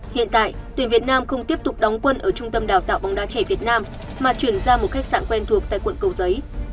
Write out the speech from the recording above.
hiện tại tuyển việt nam không tiếp tục đóng quân ở trung tâm đào tạo bóng đá trẻ việt nam mà chuyển ra một khách sạn quen thuộc tại quận cầu giấy